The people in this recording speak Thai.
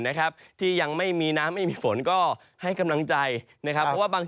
นะครับที่ยังไม่มีน้ำไม่มีฝนก็ให้กำลังใจนะครับเพราะว่าบาง